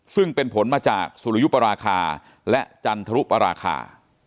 ซึ่งเป็นผลมาจากสุริยุปราคาและจันทรุปราคา